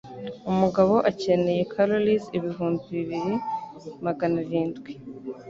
umugabo akeneye calories ibihumbi bibiri magana arindwi